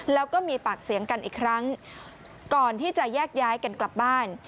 แล้วก็มีปากเสียงกันอีกครั้งก่อนที่จะแยกย้ายกันกลับบ้าน